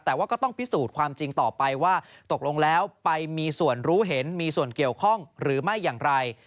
แต่ว่าก็ต้องพิสูจน์ความจริงต่อไปว่าตกลงแล้วไปมีส่วนรู้เห็นมีส่วนเกี่ยวข้องหรือไม่อย่างไร